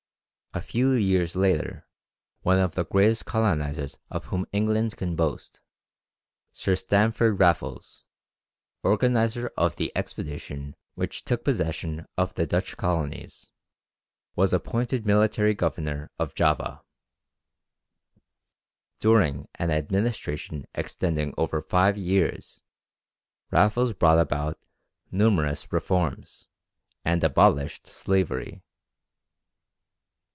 A few years later, one of the greatest colonizers of whom England can boast, Sir Stamford Raffles, organizer of the expedition which took possession of the Dutch colonies, was appointed Military Governor of Java. During an administration extending over five years, Raffles brought about numerous reforms, and abolished slavery.